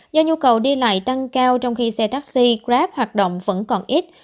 do nhu cầu đi lại tăng cao trong khi xe taxi grab hoạt động vẫn còn ít